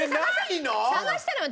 探したのよ。